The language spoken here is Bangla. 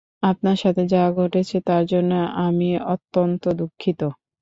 আপনার সাথে যা ঘটেছে, তার জন্য আমি অত্যন্ত দুঃখিত।